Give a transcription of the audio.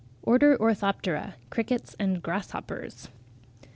ORDER, ORTHOPTERA (CRICKETS AND GRASSHOPPERS).